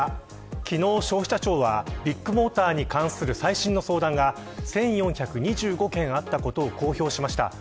昨日、消費者庁はビッグモーターに関する最新の相談が１４２５件あったことを公表しました。